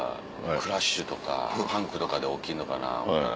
クラッシュとかパンクとかで起きんのかな思うたら。